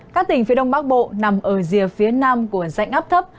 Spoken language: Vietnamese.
các tỉnh phía đông bắc bộ nằm ở rìa phía nam của dạnh áp thấp